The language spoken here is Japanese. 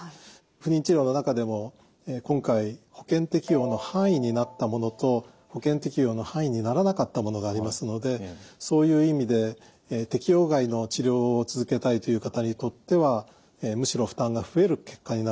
不妊治療の中でも今回保険適用の範囲になったものと保険適用の範囲にならなかったものがありますのでそういう意味で適用外の治療を続けたいという方にとってはむしろ負担が増える結果になるかと思います。